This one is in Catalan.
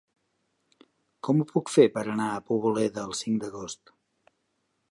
Com ho puc fer per anar a Poboleda el cinc d'agost?